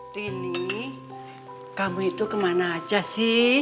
dini kamu itu kemana aja sih